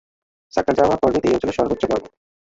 সাকাজাওয়া পর্বত এই অঞ্চলের সর্বোচ্চ পর্বত।